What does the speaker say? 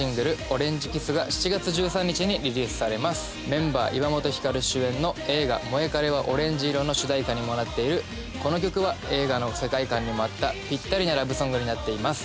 メンバー岩本照主演の映画「モエカレはオレンジ色」の主題歌にもなっているこの曲は映画の世界観にも合ったぴったりなラブソングになっています